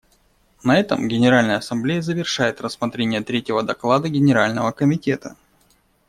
На этом Генеральная Ассамблея завершает рассмотрение третьего доклада Генерального комитета.